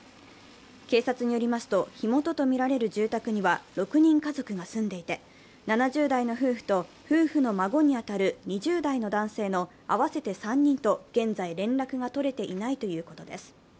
警察によりますと火元とみられる住宅には６人家族が住んでいて、７０代の夫婦と夫婦の孫に当たる２０代の男性の合わせて３人と現在連絡が取れていないということです。